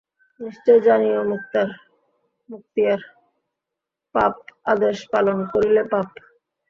নিশ্চয় জানিও মুক্তিয়ার, পাপ আদেশ পালন করিলে পাপ।